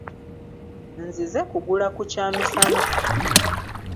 Nzize kugula ku kyamisana.